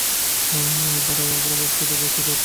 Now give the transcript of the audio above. দাঁড়াও, আমায় ভাবতে দাও, ভাবতে দাও, টেলস, চোখ খোলো দোস্ত।